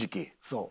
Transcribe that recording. そう。